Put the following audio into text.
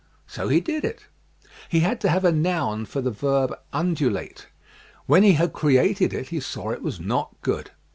So he did it. He had to have a noun for the verb " undulate." When he had created it he saw it was not good.